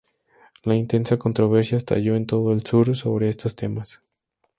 La intensa controversia estalló en todo el Sur sobre estos temas.